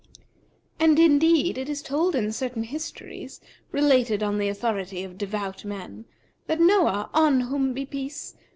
And indeed it is told in certain histories, related on the authority of devout men, that Noah (on whom be peace!)